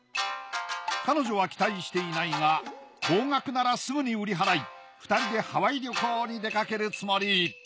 彼女は期待していないが高額ならすぐに売り払い２人でハワイ旅行に出かけるつもり。